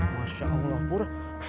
masya allah bur